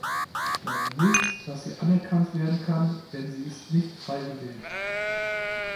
Ich glaube nicht, dass sie anerkannt werden kann, denn sie ist nicht frei gewählt.